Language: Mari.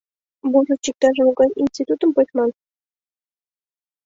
Можыч, иктаж-могай институтым почман?